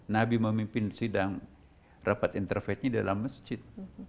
nabi memimpin sidang rapat interface nya di dalam masjid